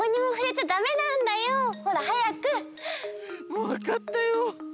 もうわかったよ。